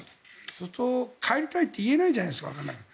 そうすると帰りたいって言えないじゃないですか。